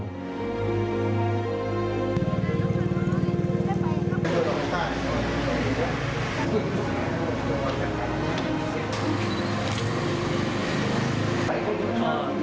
ก็ยังมีปัญหาราคาเข้าเปลือกก็ยังลดต่ำลง